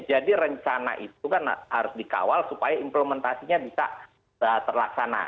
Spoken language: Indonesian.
rencana itu kan harus dikawal supaya implementasinya bisa terlaksana